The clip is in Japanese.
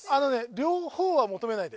両方は求めないで。